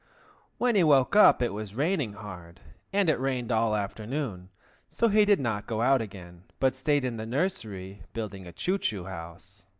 When he woke up it was raining hard, and it rained all the afternoon, so he did not go out again, but stayed in the nursery building a Choo Choo House.